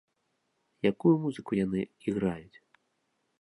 Якую музыку яны іграюць?